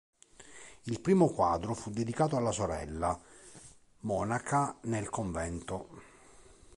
Il primo quadro fu dedicato alla sorella, monaca nel convento.